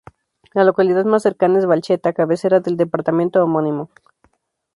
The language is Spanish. La localidad más cercana es Valcheta, cabecera del departamento homónimo.